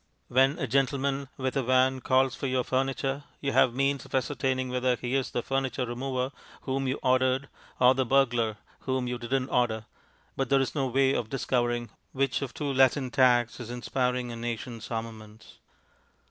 When a gentleman with a van calls for your furniture you have means of ascertaining whether he is the furniture remover whom you ordered or the burglar whom you didn't order, but there is no way of discovering which of two Latin tags is inspiring a nation's armaments.